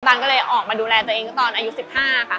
ตันก็เลยออกมาดูแลตัวเองตอนอายุ๑๕ค่ะ